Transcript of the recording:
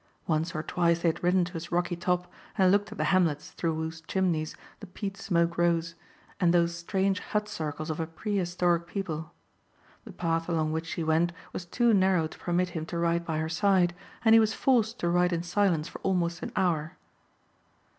Once or twice they had ridden to its rocky top and looked at the hamlets through whose chimneys the peat smoke rose, and those strange hut circles of a prehistoric people. The path along which she went was too narrow to permit him to ride by her side and he was forced to ride in silence for almost an hour.